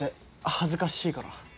恥ずかしいから。